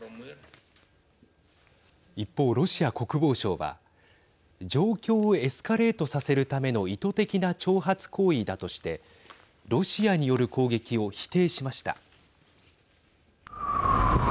一方、ロシア国防省は状況をエスカレートさせるための意図的な挑発行為だとしてロシアによる攻撃を否定しました。